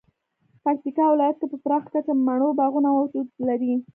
پکتیکا ولایت کې په پراخه کچه مڼو باغونه وجود لري